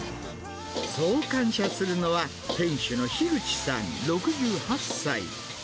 そう感謝するのは、店主の樋口さん６８歳。